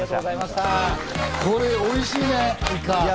これ、おいしいね、イカ。